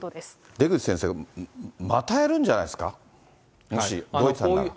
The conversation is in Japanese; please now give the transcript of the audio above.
出口先生、またやるんじゃないですか、もし、同一犯なら。